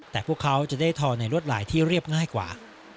แต่พวกเขาจะได้ทอในรวดลายที่เรียบง่ายกว่า